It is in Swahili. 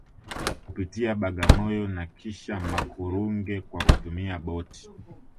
kupitia Bagamoyo na kisha Makurunge kwa kutumia boti